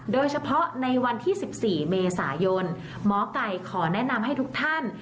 โดยเฉพาะในวันที่๑๔เมษายนหมอไก่ขอแนะนำให้ทุกท่าน